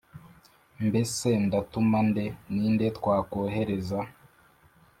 «Mbese ndatuma nde ? Ni nde twakohereza ?»